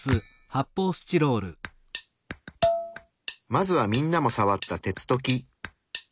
まずはみんなもさわった鉄と木。